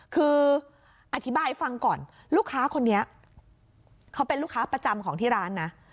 คืออธิบายฟังก่อนลูกค้าคนนี้เขาเป็นลูกค้าประจำของที่ร้านนะ